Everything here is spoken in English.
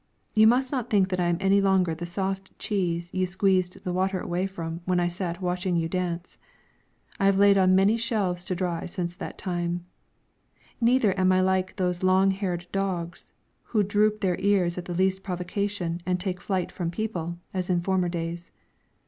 You must not think that I am any longer the soft cheese you squeezed the water away from when I sat watching you dance. I have laid on many shelves to dry since that time. Neither am I like those long haired dogs who drop their ears at the least provocation and take flight from people, as in former days.